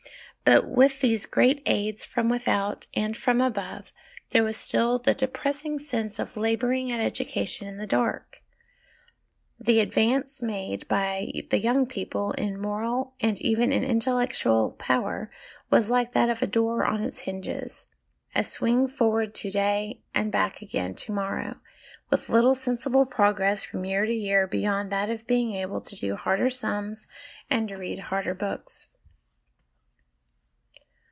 But with these great aids from without and from above, there was still the depressing sense of labouring at education in the dark; the advance made by the young people in moral, and even in intellectual, power was like that of a door on its hinges a swing forward to day and back again to morrow, with little sensible progress fiom year to year beyond that of being able to do harder sums and read harder books.